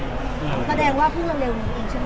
ฉันก็ได้ว่าพูดเร็วนะคุณผม